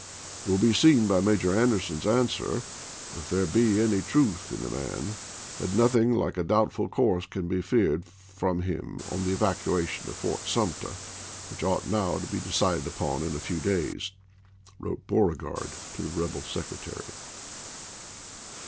"It will be seen by Major Anderson's answer, if there be any truth in man, that nothing like a doubtful course can be feared from him on the evacuation of Fort ^tvdlt Sumter, which ought now to be decided upon in a Mar!27,i86i, few days," wrote Beauregard to the rebel secretary, i.'